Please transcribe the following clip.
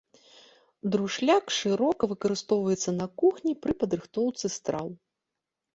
Друшляк шырока выкарыстоўваецца на кухні пры падрыхтоўцы страў.